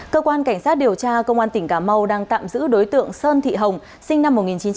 cơ quan cảnh sát điều tra công an tỉnh cà mau đang tạm giữ đối tượng sơn thị hồng sinh năm một nghìn chín trăm tám mươi